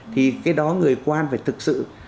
thì cái đó người quan phải thực sự